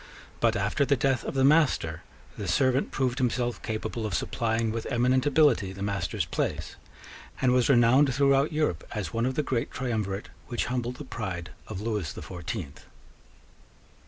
But, after the death of the master, the servant proved himself capable of supplying with eminent ability the master's place, and was renowned throughout Europe as one of the great Triumvirate which humbled the pride of Lewis the Fourteenth.